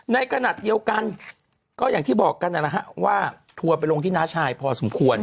ในขณะเดียวกันก็อย่างที่บอกกันนะฮะว่าทัวร์ไปลงที่น้าชายพอสมควร